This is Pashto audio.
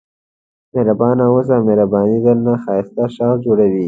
مهربانه واوسئ مهرباني درنه ښایسته شخص جوړوي.